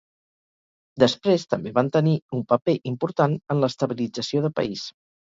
Després també van tenir un paper important en l'estabilització de país.